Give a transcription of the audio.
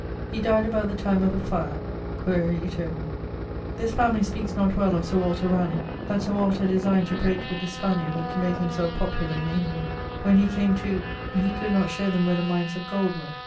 He dyed about the time of the fire (?); quaere iterum. This family speakes not well of Sir Walter Raleigh, that Sir Walter designed to breake with the Spanyard, and to make himselfe popular in England. When he came to ..., he could not show them where the mines of gold were.